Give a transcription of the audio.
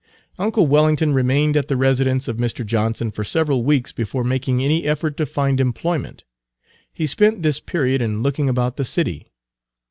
Uncle Wellington remained at the residence of Mr. Johnson for several weeks before making any effort to find employment. He spent this period in looking about the city.